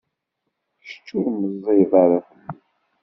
Kečč ur meẓẓiyed ara fell-i.